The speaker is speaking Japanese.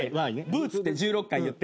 「ブーツ」って１６回言って。